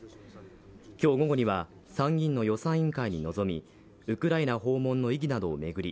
今日午後には参議院の予算委員会に臨みウクライナ訪問の意義などを巡り